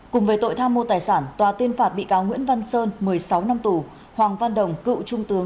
cùng với tội tham mô tài sản tòa tiên phạt bị cáo nguyễn văn sơn một mươi sáu năm tù